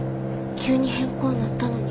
急に変更になったのに。